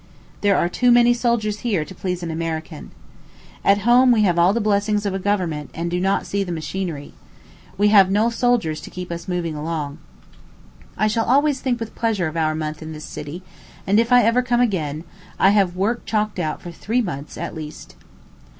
There are too many soldiers here to please an American. At home we have all the blessings of government, and do not see the machinery. We have no soldiers to keep us moving along. I shall always think with pleasure of our month in this city; and if I ever come again, I have work chalked out for three months, at least.